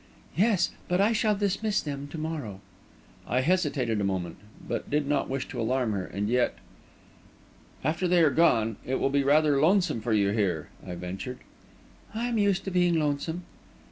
"Yes; but I shall dismiss them to morrow." I hesitated a moment. I did not wish to alarm her, and yet.... "After they are gone, it will be rather lonesome for you here," I ventured. "I am used to being lonesome."